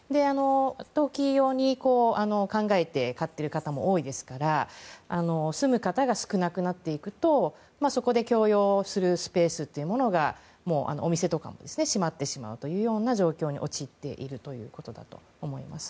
投機用に考えて買っている方も多いですから住む方が少なくなっていくと共用するスペースがお店とかも閉まってしまう状況に陥っているということだと思います。